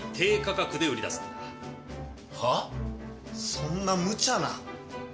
そんなむちゃな。